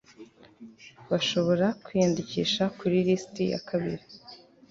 bashobora kwiyandikisha kuri lisiti ya kabiri